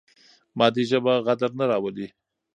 مادي ژبه غدر نه راولي.